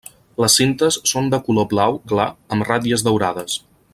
Les cintes són de color blau clar amb ratlles daurades.